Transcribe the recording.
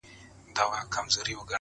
o اره، اره، يوم پر غاړه!